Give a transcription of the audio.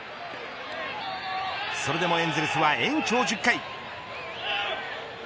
それでもエンゼルスは延長１０回。